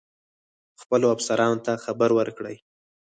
خپلو افسرانو ته خبر ورکړی.